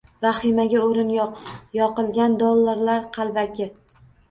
Vahimaga o‘rin yo‘q — yoqilgan dollarlar qalbaki